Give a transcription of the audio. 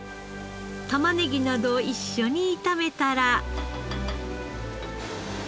玉ねぎなどを一緒に炒めたら。